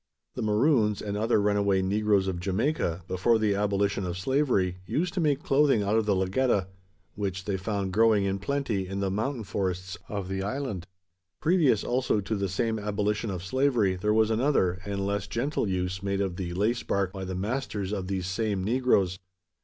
The Maroons, and other runaway negroes of Jamaica, before the abolition of slavery, used to make clothing out of the lagetta; which they found growing in plenty in the mountain forests of the island. Previous also to the same abolition of slavery, there was another, and less gentle, use made of the lace bark, by the masters of these same negroes.